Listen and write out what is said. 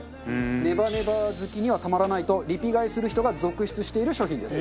ねばねば好きにはたまらないとリピ買いする人が続出している商品です。